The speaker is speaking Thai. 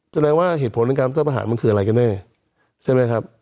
แสดงว่าเหตุผลในการรับอาหารมันคืออะไรกันแน่ใช่ไหมครับ